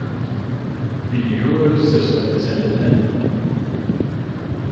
The Eurosystem is independent.